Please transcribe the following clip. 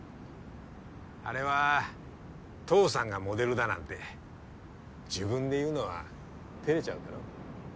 あれは父さんがモデルだなんて自分で言うのは照れちゃうだろ。